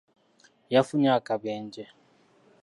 Yafunye akabenje.